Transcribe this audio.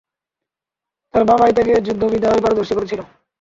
তার বাবাই তাকে যুদ্ধবিদ্যায় পারদর্শী করেছিল।